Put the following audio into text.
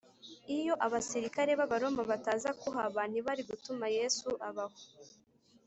iyo abasirikare b’abaroma bataza kuhaba, ntibari gutuma yesu abaho